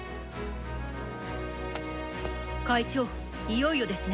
会長いよいよですね。